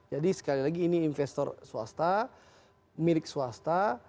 jadi sekali lagi ini investor swasta milik swasta